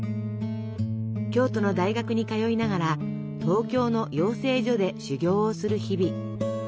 京都の大学に通いながら東京の養成所で修業をする日々。